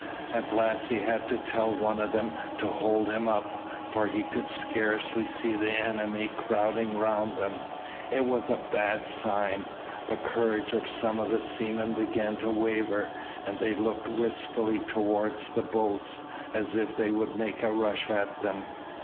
At last he had to tell one of them to hold him up, for he could scarcely see the enemy crowding round them. It was a bad sign, the courage of some of the seamen began to waver, and they looked wistfully towards the boats, as if they would make a rush at them.